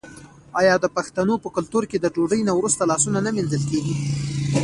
آیا د پښتنو په کلتور کې د ډوډۍ نه وروسته لاسونه نه مینځل کیږي؟